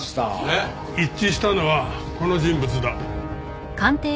えっ！？一致したのはこの人物だ。